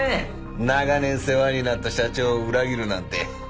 長年世話になった社長を裏切るなんて。